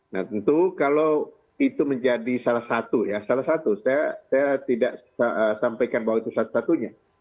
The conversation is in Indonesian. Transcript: nah tentu kalau itu menjadi salah satu saya tidak sampaikan bahwa itu satu satunya